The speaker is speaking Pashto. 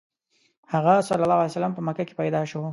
هغه ﷺ په مکه کې پیدا شو.